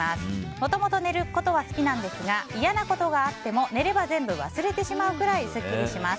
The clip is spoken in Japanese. もともと寝ることは好きなんですが嫌なことがあっても寝れば全部忘れてしまうぐらいスッキリします。